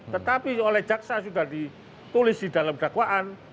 tetapi oleh jaksa sudah ditulis di dalam dakwaan